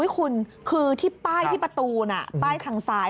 คุณคือที่ป้ายที่ประตูน่ะป้ายทางซ้าย